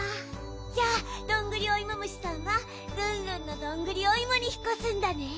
じゃあどんぐりおいも虫さんはルンルンのどんぐりおいもにひっこすんだね？